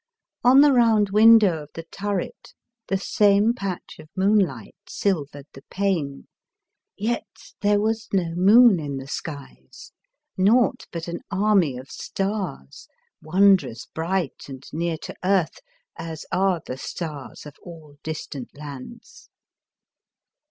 On the round window of the turret the same patch of moonlight silvered the pane, yet there was no moon in the skies, naught but an army of stars, wondrous 34 The Fearsome Island bright and near to earth, as are the stars of all distant lands.